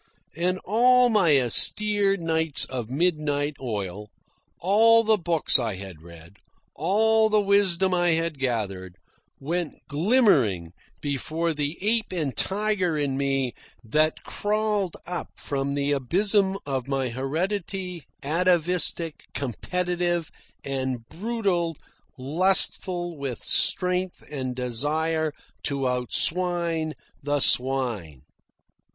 And all my austere nights of midnight oil, all the books I had read, all the wisdom I had gathered, went glimmering before the ape and tiger in me that crawled up from the abysm of my heredity, atavistic, competitive and brutal, lustful with strength and desire to outswine the swine.